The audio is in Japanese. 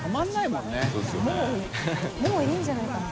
もういいんじゃないかな？